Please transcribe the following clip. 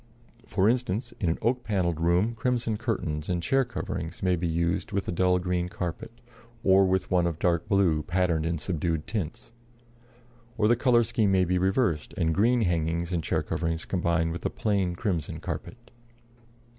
For instance, in an oak panelled room crimson curtains and chair coverings may be used with a dull green carpet, or with one of dark blue patterned in subdued tints; or the color scheme may be reversed, and green hangings and chair coverings combined with a plain crimson carpet.